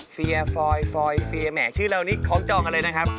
เฟียฟอยฟอยเฟียร์แหมชื่อเรานี้คล้องจองกันเลยนะครับ